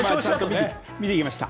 見てきました。